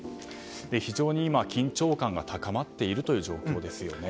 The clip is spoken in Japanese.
非常に今、緊張感が高まっている状況ですよね。